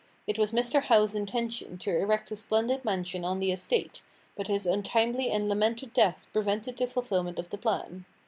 It was Mr. Howe's intention to erect a splendid mansion on the estate, but his untimely and lamented death prevented the fulfilment of the plan.